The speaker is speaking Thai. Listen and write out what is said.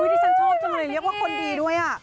ที่ฉันชอบจังเลยเรียกว่าคนดีด้วย